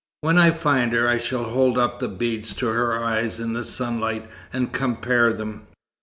When I find her, I shall hold up the beads to her eyes in the sunlight and compare them."